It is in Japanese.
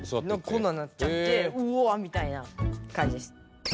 こんななっちゃってうわみたいなかんじです。